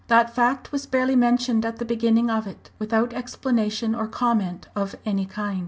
That fact was barely mentioned at the beginning of it, without explanation or comment of any kind.